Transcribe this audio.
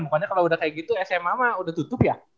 pokoknya kalau udah kayak gitu sma mah udah tutup ya